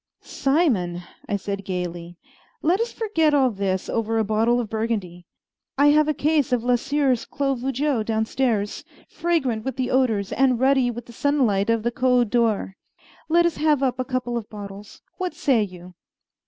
"Simon," I said gayly, "let us forget all this over a bottle of Burgundy. I have a case of Lausseure's Clos Vougeot downstairs, fragrant with the odors and ruddy with the sunlight of the Côte d'Or. Let us have up a couple of bottles. What say you?"